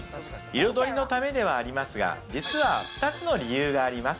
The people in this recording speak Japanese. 彩りのためではありますが、実は二つの理由があります。